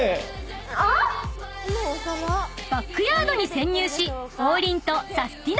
［バックヤードに潜入し王林とサスティな！